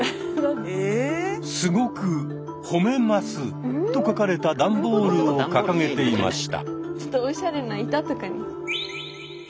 「すごくほめます」と書かれた段ボールを掲げていました。